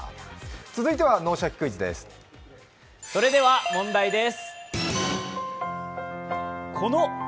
続いては「脳シャキ！クイズ」です。